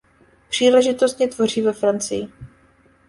Příležitostně tvoří ve Francii.